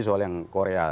soal yang korea